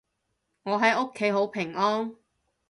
我喺屋企好平安